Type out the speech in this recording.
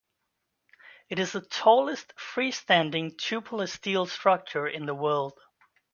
It is the tallest free-standing tubular steel structure in the world.